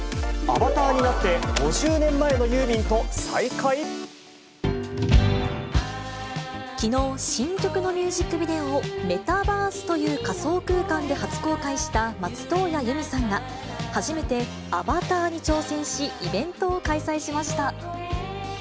アバターになって、きのう、新曲のミュージックビデオを、メタバースという仮想空間で初公開した松任谷由実さんが、初めてアバターに挑戦し、イベントを開催しました。